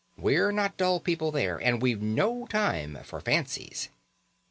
We're not dull people there, and we've no time for fancies."